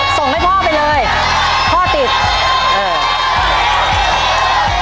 ส่งให้พ่อไปเลยพ่อติดเออ